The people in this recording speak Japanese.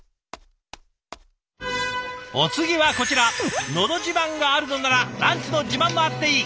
お次はこちら「のど自慢」があるのならランチの自慢もあっていい。